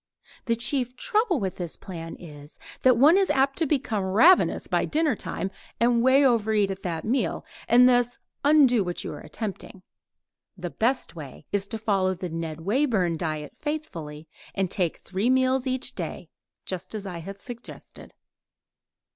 The chief trouble with this plan is, that one is apt to become ravenous by dinnertime and over eat at that meal, and thus undo what you are attempting. The best way is to follow the Ned Wayburn diet faithfully, and take three meals each day, just as I have suggested.